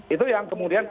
itu yang kemudian